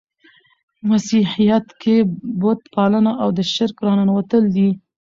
په مسیحیت کښي بت پالنه او شرک راننوتل دي.